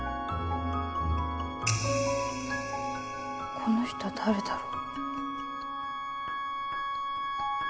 この人誰だろう？